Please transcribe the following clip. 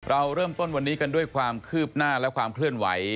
เราเริ่มต้นวันนี้กันด้วยความคืบหน้าและความเคลื่อนไหว